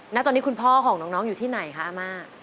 ณตอนนี้คุณพ่อของน้องอยู่ที่ไหนคะอาม่า